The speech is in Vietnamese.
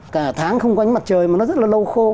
cả tháng không có ánh mặt trời mà nó rất là lâu khô